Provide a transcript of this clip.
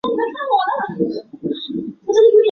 平町是东京都目黑区的地名。